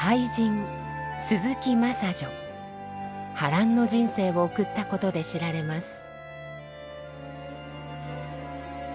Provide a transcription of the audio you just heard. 波乱の人生を送ったことで知られます。